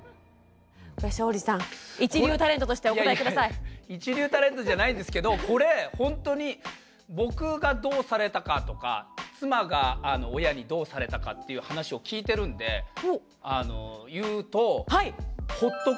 庄司さん一流タレントじゃないんですけどこれほんとに僕がどうされたかとか妻が親にどうされたかっていう話を聞いてるんで言うとほっとく！